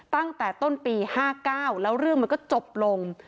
ตั้งแต่ต้นปี๕๙แล้วเรื่องมันก็จบลง